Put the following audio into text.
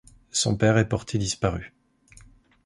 Son père est porté disparu.